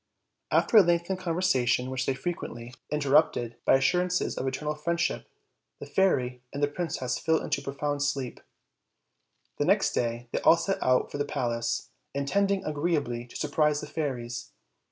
After a lengthened conversation, which they frequently OLD, OLD FAIRY TALES. 55 fnterrupted by assurances of eternal friendship, the fairy and the princess fell into a profound sleep. The next day they all set out for the palace, intending agreeably to surprise the fairies.